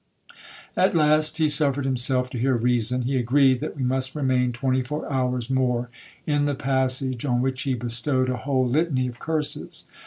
At last he suffered himself to hear reason; he agreed that we must remain twenty four hours more in the passage, on which he bestowed a whole litany of curses.